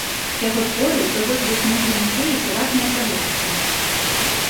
Яго творы ўпрыгожваюць многія музеі і прыватныя калекцыі.